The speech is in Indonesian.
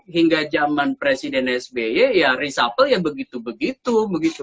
hingga zaman presiden sby ya reshuffle ya begitu begitu